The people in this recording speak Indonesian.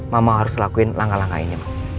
mama harus lakuin langkah langkah ini